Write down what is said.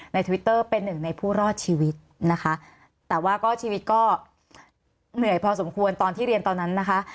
ทวิตเตอร์เป็นหนึ่งในผู้รอดชีวิตนะคะแต่ว่าก็ชีวิตก็เหนื่อยพอสมควรตอนที่เรียนตอนนั้นนะคะ